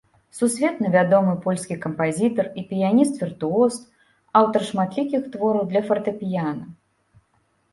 Сусветна вядомы польскі кампазітар і піяніст-віртуоз, аўтар шматлікіх твораў для фартэпіяна.